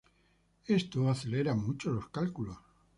Esto acelera mucho los cálculos.